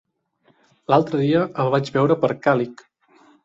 L'altre dia el vaig veure per Càlig.